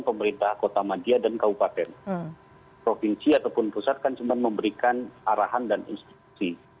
pemerintah kota madia dan kabupaten provinsi ataupun pusat kan cuma memberikan arahan dan institusi